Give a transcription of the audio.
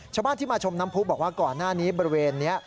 ชาวบ้านที่มาชมน้ำพุบอกว่าก่อนหน้านี้บริเวณนี้